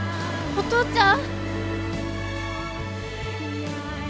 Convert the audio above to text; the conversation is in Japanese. お父ちゃん！